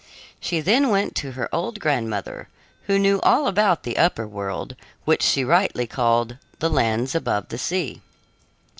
She then went to her old grandmother, who knew all about the upper world, which she rightly called "the lands above the sea."